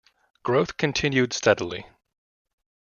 Growth continued steadily.